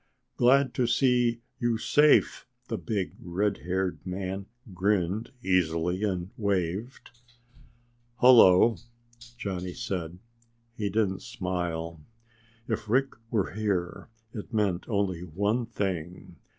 "Glad to see you safe!" The big redhaired man grinned easily, and waved. "Hullo," Johnny said. He didn't smile. If Rick were here, it meant only one thing.